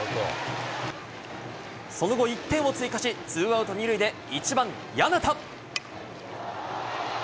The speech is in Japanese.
その後１点を追加し、ツーアウト２塁で、１番簗田。